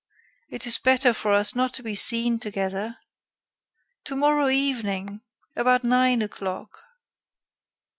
It is better for us not to be seen together. Tomorrow evening about nine o'clock."